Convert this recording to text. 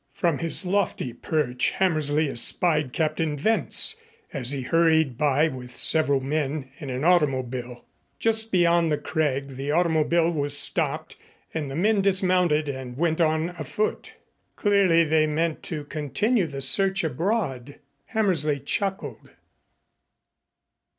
From his lofty perch Hammersley espied Captain Wentz as he hurried by with several men in an automobile. Just beyond the crag the automobile was stopped and the men dismounted and went on afoot. Clearly they meant to continue the search abroad. Hammersley chuckled.